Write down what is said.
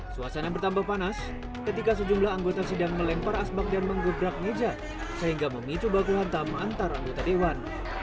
suasana bertambah panas ketika sejumlah anggota sidang melempar asbak dan menggebrak meja sehingga memicu baku hantam antar anggota dewan